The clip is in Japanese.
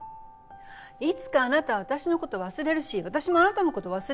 いつかあなたは私のことを忘れるし私もあなたのことを忘れる。